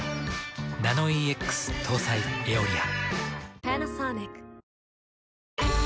ナノイーＸ搭載「エオリア」。